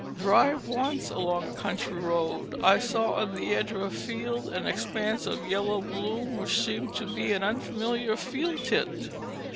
Driving once along a country road, I saw on the edge of a field an expanse of yellow bloom which seemed to be an unfamiliar field tint.